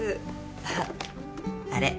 あらあれ？